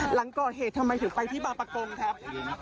หลังก่อเหตุทำไมถึงไปที่บางประกงครับ